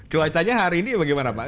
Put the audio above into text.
cuacanya hari ini bagaimana pak